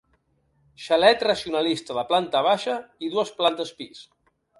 Xalet racionalista de planta baixa i dues plantes pis.